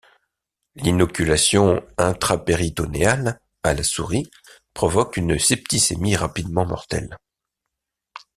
L'inoculation intrapéritonéale à la souris provoque une septicémie rapidement mortelle.